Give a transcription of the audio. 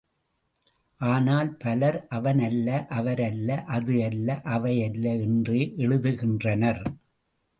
ஆனால், பலர், அவன் அல்ல அவர் அல்ல அது அல்ல அவை அல்ல என்றே எழுதுகின்றனர்.